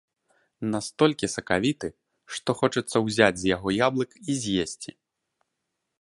Настолькі сакавіты, што хочацца ўзяць з яго яблык і з'есці.